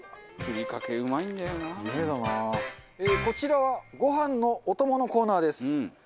こちらはご飯のお供のコーナーです。